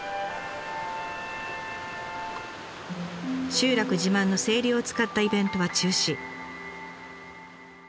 集落自慢の清流を使ったイベントは中止。